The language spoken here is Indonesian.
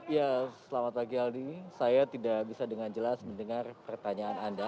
ya selamat pagi aldi saya tidak bisa dengan jelas mendengar pertanyaan anda